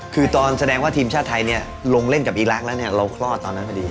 คือตอนแสดงว่าทีมชาติไทยเนี่ยลงเล่นกับอีรักษ์แล้วเนี่ยเราคลอดตอนนั้นพอดี